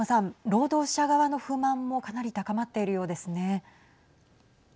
労働者側の不満もかなり高まっているようですね。